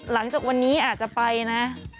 หลังจากวันนี้อาจจะไปนะ